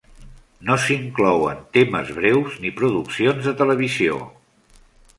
No s'inclouen temes breus ni produccions de televisió.